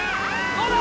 どうだ？